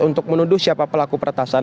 untuk menuduh siapa pelaku peretasan